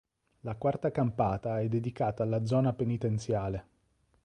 La quarta campata è dedicata alla zona penitenziale.